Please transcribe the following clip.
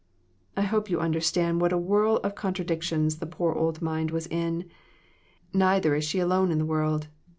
I hope you understand what a whirl of contra dictions the poor old mind was in. Neither is she alone in the world.